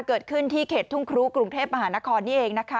เกิดขึ้นที่เขตทุ่งครูกรุงเทพมหานครนี่เองนะคะ